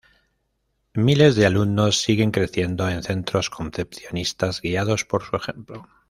Miles de alumnos siguen creciendo en centros concepcionistas guiados por su ejemplo.